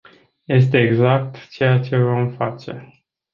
Este exact ceea ce vom face.